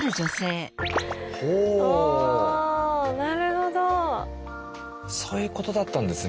ほそういうことだったんですね。